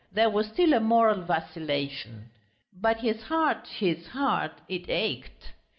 There was still a moral vacillation. But his heart, his heart ... it ached!